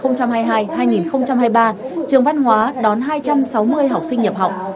năm hai nghìn hai mươi hai hai nghìn hai mươi ba trường văn hóa đón hai trăm sáu mươi học sinh nhập học